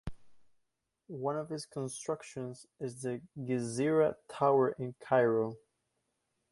One of his constructions is the Gezeera Tower in Cairo.